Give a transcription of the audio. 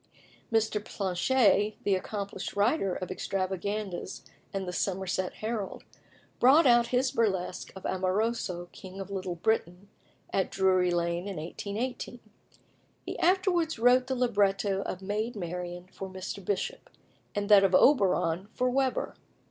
Mr. Planché, the accomplished writer of extravaganzas and the Somerset Herald, brought out his burlesque of "Amoroso, King of Little Britain," at Drury Lane in 1818. He afterwards wrote the libretto of "Maid Marian" for Mr. Bishop, and that of "Oberon" for Weber.